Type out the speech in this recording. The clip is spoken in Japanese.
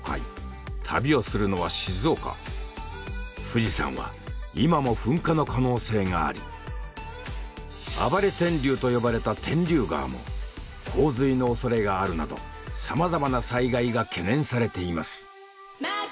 「富士山」は今も噴火の可能性があり“暴れ天竜”と呼ばれた天竜川も洪水のおそれがあるなどさまざまな災害が懸念されています。